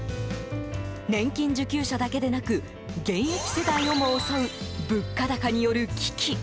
年金受給者だけでなく現役世代をも襲う物価高による危機。